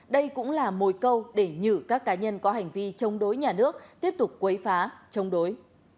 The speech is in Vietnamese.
đây cũng là mồi câu để nhử các cá nhân có hành vi chống đối nhà nước tiếp tục quấy phá chống đối